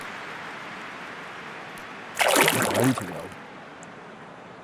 你睇下呢條友